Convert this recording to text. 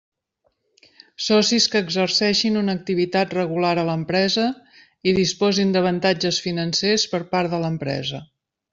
Socis que exerceixin una activitat regular a l'empresa i disposin d'avantatges financers per part de l'empresa.